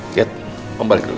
kiat mama balik dulu ya